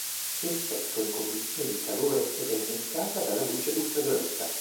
Si effettua in condizioni di calore ed è innescata dalla luce ultravioletta.